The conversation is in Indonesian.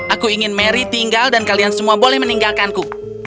aku ingin mary tinggal dan kalian semua boleh meninggalkanku